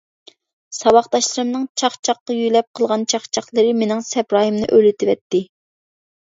ساۋاقداشلىرىمنىڭ چاقچاققا يۆلەپ قىلغان چاقچاقلىرى مېنىڭ سەپرايىمنى ئۆرلىتىۋەتتى.